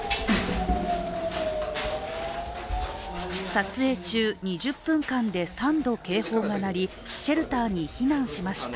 撮影中、２０分間で３度警報が鳴りシェルターに避難しました。